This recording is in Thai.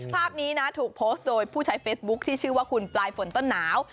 ภาพนี้นะถูกโพสต์โดยผู้ใช้เฟซบุ๊คที่ชื่อว่าคุณปลายฝนต้นหนาว